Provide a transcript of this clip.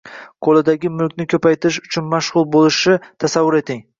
qo‘lidagi mulkini ko‘paytirish bilan mashg‘ul bo‘lishini tasavvur eting!